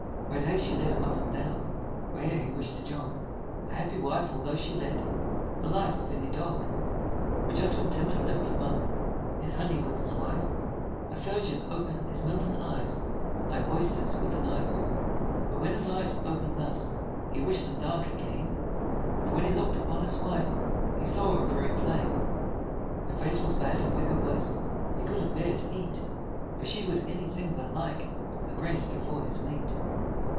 By day she led him up and down Where'er he wished to jog, A happy wife, altho' she led The life of any dog. But just when Tim had liv'd a month In honey with his wife, A surgeon ope'd his Milton eyes, Like oysters, with a knife. But when his eyes were open'd thus, He wish'd them dark again: For when he look'd upon his wife, He saw her very plain. Her face was bad, her figure worse, He couldn't bear to eat: For she was any thing but like A Grace before his meat.